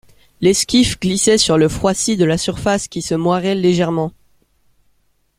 L'esquif glissait sur le froissis de la surface qui se moirait légèrement.